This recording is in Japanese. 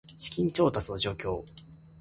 資金調達の状況